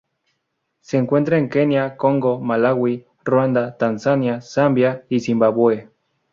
Se encuentra en Kenia, Congo, Malaui, Ruanda, Tanzania, Zambia y Zimbabue.